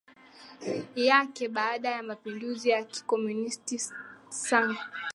yake baada ya mapinduzi ya kikomunisti Sankt